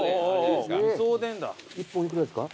１本幾らですか？